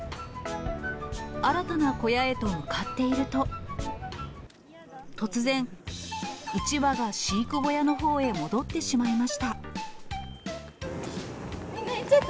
新たな小屋へと向かっていると、突然、１羽が飼育小屋のほうへ戻ってしまいました。